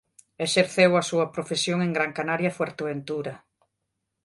Exerceu a súa profesión en Gran Canaria e Fuerteventura.